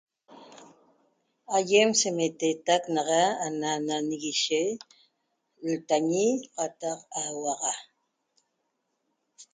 Aýem semeteetac naxa ana nanguishe ltañi qataq auxa